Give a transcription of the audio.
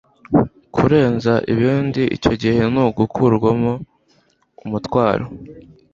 kurenza ibindi icyo gihe ni ugukurwaho umutwaro